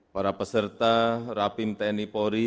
para peserta rapim tni polri